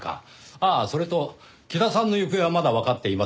ああそれと木田さんの行方はまだわかっていませんねぇ。